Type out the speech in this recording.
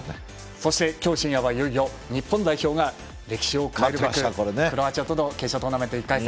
そして、今日深夜はいよいよ日本代表が歴史を変えるクロアチアとの決勝トーナメント１回戦。